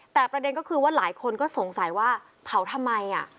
แต่ประเด็นก็คือว่าหลายคนก็สงสัยว่าเผาทำไม